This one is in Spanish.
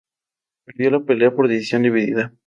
Perdió la pelea por decisión dividida.